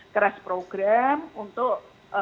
crash program untuk